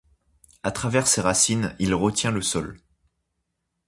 À travers ses racines, il retient le sol.